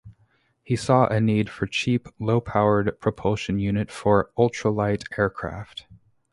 He saw a need for a cheap low-powered propulsion unit for ultralight aircraft.